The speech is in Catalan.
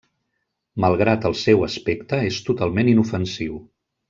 Malgrat el seu aspecte, és totalment inofensiu.